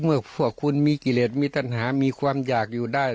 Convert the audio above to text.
พวกคุณมีกิเลสมีปัญหามีความอยากอยู่ได้